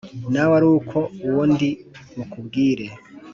nawe Ariko uwo ndi bukubwire